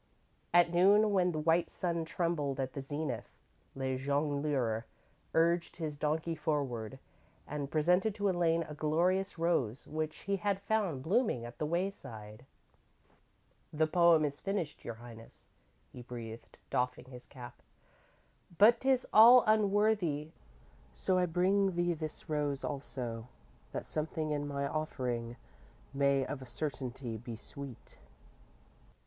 _ _At noon, when the white sun trembled at the zenith, Le Jongleur urged his donkey forward, and presented to Elaine a glorious rose which he had found blooming at the wayside._ _"The poem is finished, your highness," he breathed, doffing his cap, "but 'tis all unworthy, so I bring thee this rose also, that something in my offering may of a certainty be sweet."